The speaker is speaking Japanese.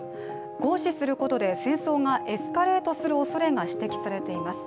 行使することで戦争がエスカレートするおそれが指摘されています。